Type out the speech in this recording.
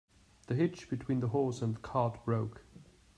The hitch between the horse and cart broke.